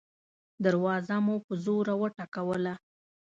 دروازه مو په زوره وټکوله.